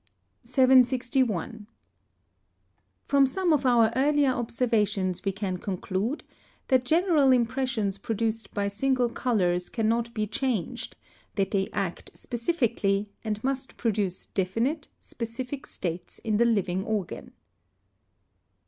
761. From some of our earlier observations we can conclude, that general impressions produced by single colours cannot be changed, that they act specifically, and must produce definite, specific states in the living organ.